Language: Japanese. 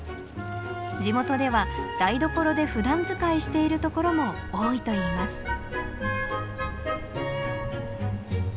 地元では台所でふだん使いしている所も多いといいます